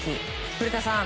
古田さん